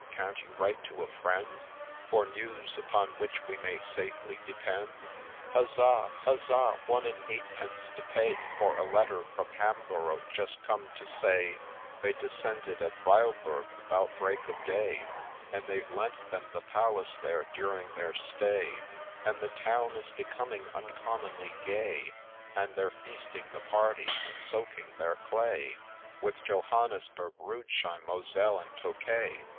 — Can't you write to a friend, For news upon which we may safely depend ?'— Huzza ! huzza ! one and eight pence to pay For a letter from Hamborough, just come to say They descended at Weilburg, about break of day ; And they've lent them the palace there, during their stay, And the town is becoming uncommonly gay, And they're feasting the party, and soaking their clay With Johannisberg, Rudesheim, Moselle, and Tokay